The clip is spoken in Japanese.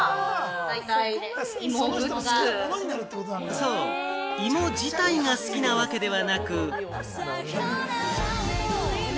そう、芋自体が好きなわけではなく。